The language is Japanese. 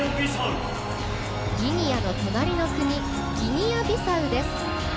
ギニアの隣の国ギニアビサウです。